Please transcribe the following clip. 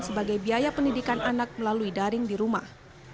sebagai biaya pendidikan anak melalui daring di rumah